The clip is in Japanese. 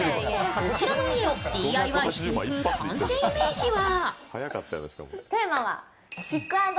こちらの家をＤＩＹしていく完成イメージは？